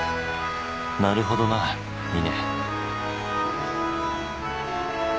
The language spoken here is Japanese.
なるほどな峰